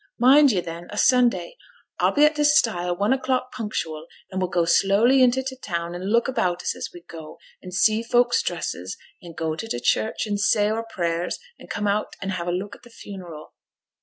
Mind yo', then, o' Sunday. A'll be at t' stile one o'clock punctual; and we'll go slowly into t' town, and look about us as we go, and see folk's dresses; and go to t' church, and say wer prayers, and come out and have a look at t' funeral.'